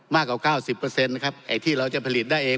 มากกว่าเก้าสิบเปอร์เซ็นต์นะครับไอ้ที่เราจะผลิตได้เอง